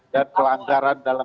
dan pelanggaran dalam